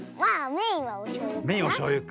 メインはおしょうゆか。